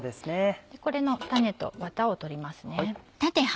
これの種とワタを取ります。